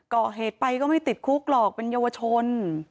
ก่อเหตุไปก็ไม่ติดคุกหรอกเป็นเยาวชน